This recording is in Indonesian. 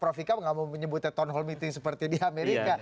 prof vika gak mau menyebutnya town hall meeting seperti di amerika